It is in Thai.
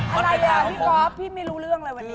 พี่จอร์ทพี่ไม่รู้เรื่องเลยวันนี้